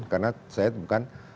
karena saya bukan